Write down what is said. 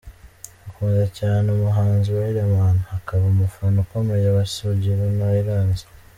Akunda cyane umuhanzi Rideman, akaba umufana ukomeye wa Sugira na Iranzi.